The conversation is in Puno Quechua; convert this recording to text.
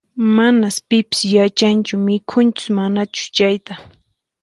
Manas pipis yachanchu mikhunchus manachus chayta